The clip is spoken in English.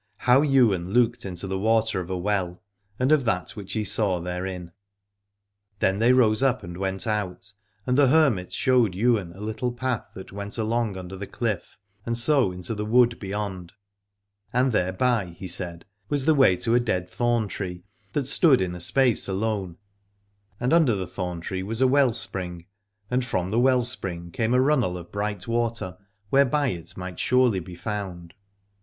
HOW YWAIN LOOKED INTO THE WATER OF A WELL, AND OF THAT WHICH HE SAW THEREIN. Then they rose up and went out, and the hermit showed Ywain a Httle path that went along under the cliff and so into the wood beyond : and thereby, he said, was the way to a dead thorn tree that stood in a space alone, and under the thorn tree was a well spring, and from the well spring came a runnel of bright water whereby it might surely be found.